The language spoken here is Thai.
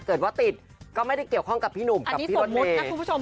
เกิดว่าติดก็ไม่ได้เกี่ยวข้องกับพี่หนุ่มอันนี้สมมุตินะคุณผู้ชม